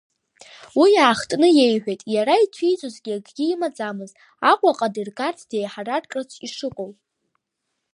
Уи иаахтны иеиҳәеит, иара ицәиӡозгьы акгьы имаӡамызт, Аҟәаҟа дыргарц, деиҳараркырц ишыҟоу.